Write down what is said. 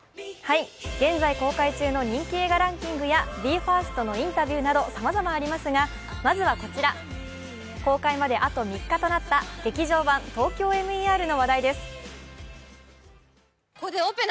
現在公開中の人気映画ランキングやＢＥ：ＦＩＲＳＴのインタビューなどさまざまありますがまずはこちら、公開まであと３日となった「劇場版ＴＯＫＹＯＭＥＲ」の話題です。